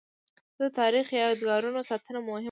زه د تاریخي یادګارونو ساتنه مهمه بولم.